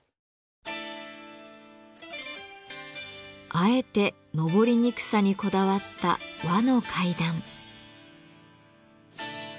あえて上りにくさにこだわった和の階段。